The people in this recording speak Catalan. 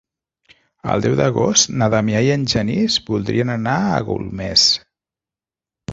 El deu d'agost na Damià i en Genís voldrien anar a Golmés.